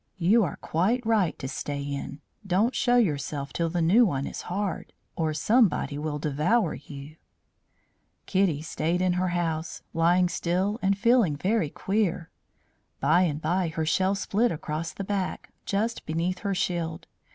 You are quite right to stay in. Don't show yourself till the new one is hard, or somebody will devour you." Kitty stayed in her house, lying still and feeling very queer. By and by her shell split across the back, just beneath her shield.